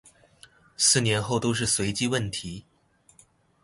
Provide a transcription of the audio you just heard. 四年後都是隨機問題